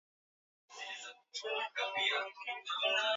Ishirini na tatu na shilingi mia mbili themanini na tisa za Tanzania.